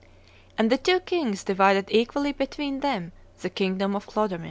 And the two kings divided equally between them the kingdom of Clodomir."